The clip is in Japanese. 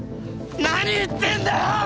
何言ってんだよ！